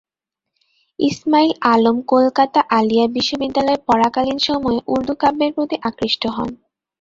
ইসমাঈল আলম কলকাতা আলিয়া বিশ্ববিদ্যালয়-এ পড়াকালীন সময়ে উর্দু কাব্যের প্রতি আকৃষ্ট হন।